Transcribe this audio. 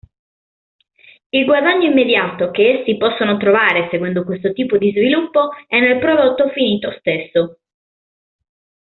Il guadagno immediato che essi possono trovare seguendo questo tipo di sviluppo è nel prodotto finito stesso.